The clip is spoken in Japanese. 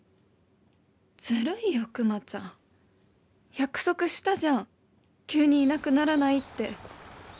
「ずるいよくまちゃん、約束したじゃん、急にいなくならないって。